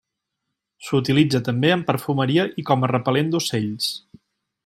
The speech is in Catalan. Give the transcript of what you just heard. S'utilitza també en perfumeria i com a repel·lent d'ocells.